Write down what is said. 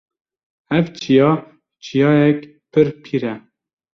Ev çiya çiyakek pir pîr e